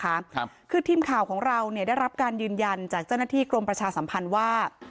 ครับคือทีมข่าวของเราเนี่ยได้รับการยืนยันจากเจ้าหน้าที่กรมประชาสัมพันธ์ว่า